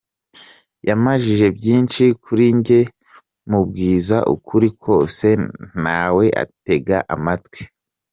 Yambajije byinshi kuri njye mubwiza ukuri kose nawe antega amatwi.